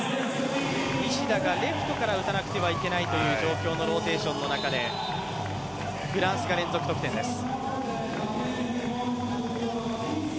西田がレフトから打たなくてはいけないという状況のローテーションの中でフランスが連続得点です。